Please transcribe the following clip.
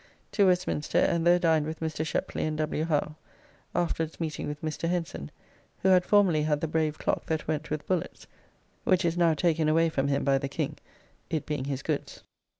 To Westminster, and there dined with Mr. Sheply and W. Howe, afterwards meeting with Mr. Henson, who had formerly had the brave clock that went with bullets (which is now taken away from him by the King, it being his goods).